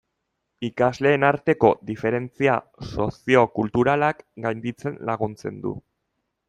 Ikasleen arteko diferentzia soziokulturalak gainditzen laguntzen du.